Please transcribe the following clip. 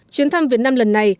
chuyến thăm việt nam lần này